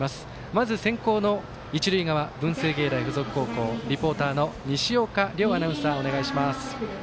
まず、先攻の一塁側文星芸大付属高校リポーターの西岡遼アナウンサーお願いします。